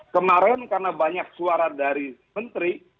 kemarin karena banyak suara dari menteri